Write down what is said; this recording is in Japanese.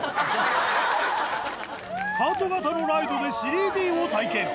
ハート型のライドで３Ｄを体験